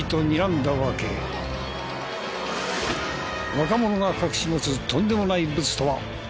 若者が隠し持つとんでもないブツとは？